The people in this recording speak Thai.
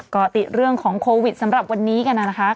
ก็ติดเรื่องของโควิดสำหรับวันนี้กันนะคะ